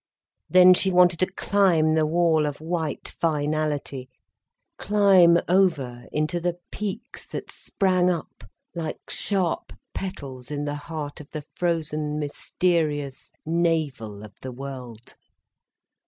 Then she wanted to climb the wall of white finality, climb over, into the peaks that sprang up like sharp petals in the heart of the frozen, mysterious navel of the world.